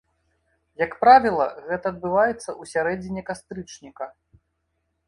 Як правіла, гэта адбываецца ў сярэдзіне кастрычніка.